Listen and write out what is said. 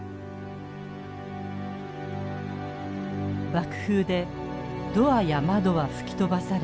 爆風でドアや窓は吹き飛ばされ